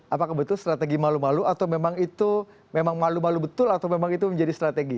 apakah betul strategi malu malu atau memang itu memang malu malu betul atau memang itu menjadi strategi